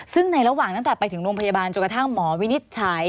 ซึ่งในระหว่างตั้งแต่ไปถึงโรงพยาบาลจนกระทั่งหมอวินิจฉัย